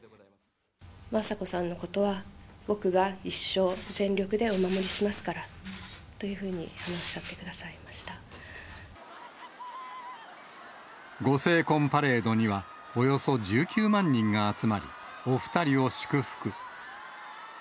雅子さんのことは、僕が一生全力でお守りしますからというふうに話しかけてくださいご成婚パレードには、およそ１９万人が集まり、お２人を祝福。